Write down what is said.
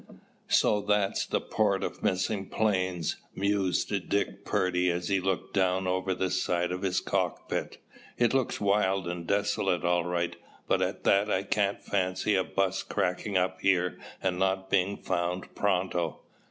] So that's the "Port of Missing Planes," mused Dick Purdy as he looked down over the side of his cockpit. "It looks wild and desolate all right, but at that I can't fancy a bus cracking up here and not being found pronto.